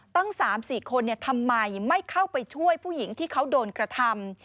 ตั้ง๓๔คนทำไมไม่เข้าไปช่วยผู้หญิงที่เขาโดนกระทำ